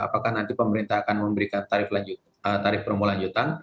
apakah nanti pemerintah akan memberikan tarif promo lanjutan